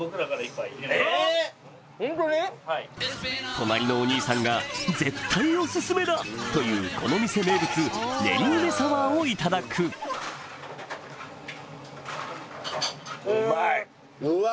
隣のお兄さんが「絶対オススメだ」というこの店名物ねり梅サワーをいただくうわ